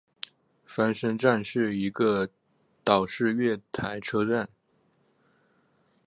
翻身站是一个岛式月台车站。